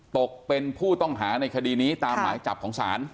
ตกเป็นผู้ต้องหาในคดีนี้ตามหมายจับของศาล